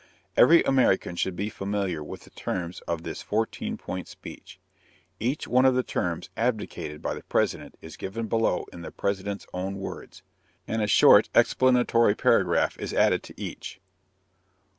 Every American should be familiar with the terms of this "fourteen point speech." Each one of the terms advocated by the President is given below in the President's own words, and a short explanatory paragraph is added to each.